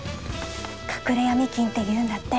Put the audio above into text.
隠れヤミ金って言うんだって。